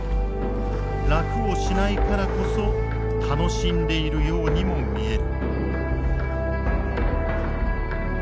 楽をしないからこそ楽しんでいるようにも見える。